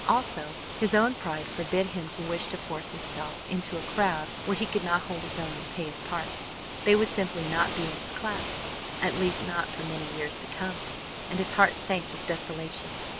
Also, his own pride forbade him to wish to force himself into a crowd where he could not hold his own and pay his part. They would simply not be in his class, at least not for many years to come, and his heart sank with desolation.